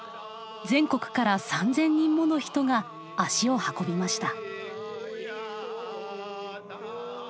全国から３，０００人もの人が足を運びました。